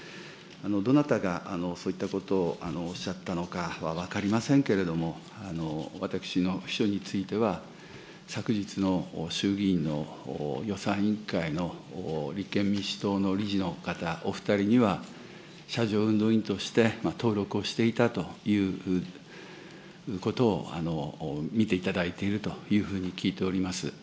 どなたがそういったことをおっしゃったのかはわかりませんけれども、私の秘書については、昨日の衆議院の予算委員会の立憲民主党の理事の方お２人には、車上運動員として登録をしていたということを見ていただいているというふうに聞いております。